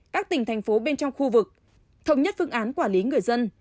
các tỉnh thành phố bên trong khu vực thống nhất phương án quản lý người dân